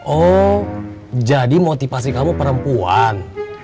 oh jadi motivasi kamu perempuan